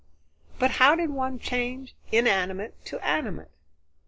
But how did one change inanimate to animate?